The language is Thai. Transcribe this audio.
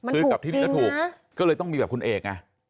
มันถูกจริงนะก็เลยต้องมีแบบคุณเอก